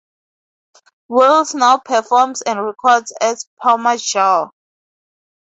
Wills now performs and records as Pumajaw.